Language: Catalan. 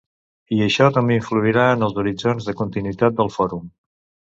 I això també influirà en els horitzons de continuïtat del Fòrum.